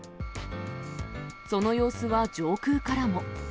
その様子は上空からも。